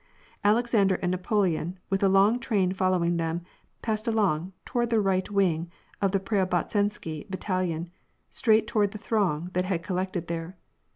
Alexander and Napoleon, with a long train following them, passed along toward the right wing of the Preobrazhensky bat talion, straight toward the throng that had collected there.